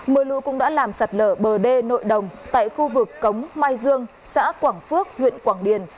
mưa lũ cũng đã làm sạt lở bờ đê nội đồng tại khu vực cống mai dương xã quảng phước huyện quảng điền